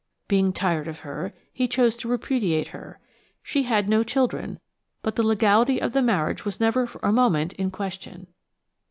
Being tired of her, he chose to repudiate her–she had no children–but the legality of the marriage was never for a moment in question.